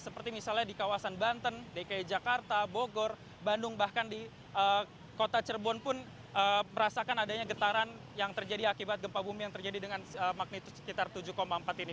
seperti misalnya di kawasan banten dki jakarta bogor bandung bahkan di kota cirebon pun merasakan adanya getaran yang terjadi akibat gempa bumi yang terjadi dengan magnitude sekitar tujuh empat ini